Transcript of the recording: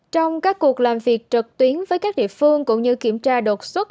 trong các cuộc làm việc trực tuyến với các địa phương cũng như kiểm tra đột xuất